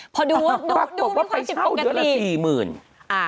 พอดูว่าไปเช่าเดือนละ๔๐๐๐๐